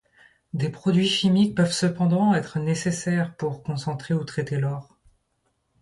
Des produits chimiques peuvent cependant être nécessaires pour concentrer ou traiter l'or.